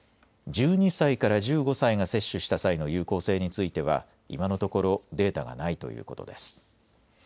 １２歳から１５歳が接種した際の有効性については今のところデータはないということです。